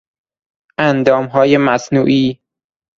اندامهای مصنوعی